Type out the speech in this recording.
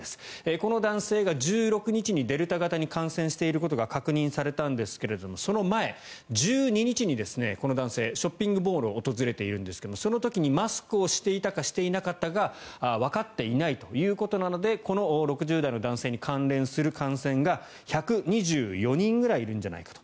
この男性が１６日にデルタ型に感染していることが確認されたんですがその前、１２日に、この男性ショッピングモールを訪れているんですがその時にマスクをしていたかしていなかったかがわかっていないということなのでこの６０代の男性に関連する感染が、１２４人ぐらいいるんじゃないかと。